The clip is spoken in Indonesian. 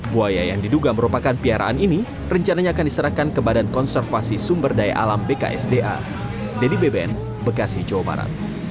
buaya yang diduga merupakan piaraan ini rencananya akan diserahkan ke badan konservasi sumber daya alam bksda